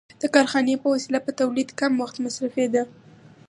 د کارخانې په وسیله په تولید کم وخت مصرفېده